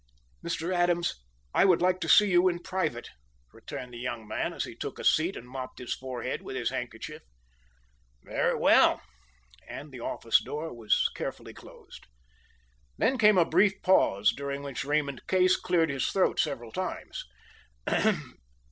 "Mr. Adams, I would like to see you in private," returned the young man, as he took a seat and mopped his forehead with his handkerchief. "Very well," and the office door was carefully closed. Then came a brief pause, during which Raymond Case cleared his throat several times.